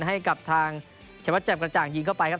ให้กับทางเฉพาะเจ็บกระจ่างยิงเข้าไปครับ